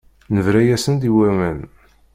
Nebra-yasen-d i waman.